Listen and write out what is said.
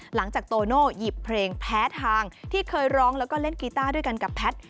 โตโน่หยิบเพลงแพ้ทางที่เคยร้องแล้วก็เล่นกีต้าด้วยกันกับแพทย์